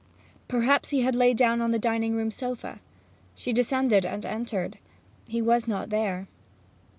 Perhaps he had lain down on the dining room sofa. She descended and entered; he was not there.